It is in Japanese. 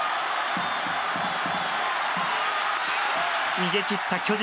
逃げ切った巨人。